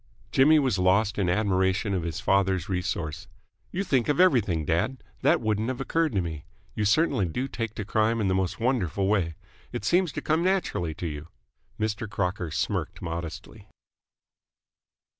Jimmy was lost in admiration of his father's resource. "You think of everything, dad! That wouldn't have occurred to me. You certainly do take to Crime in the most wonderful way. It seems to come naturally to you!" Mr. Crocker smirked modestly.